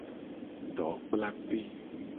Dokplape.